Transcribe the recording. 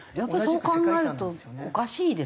やっぱりそう考えるとおかしいですね。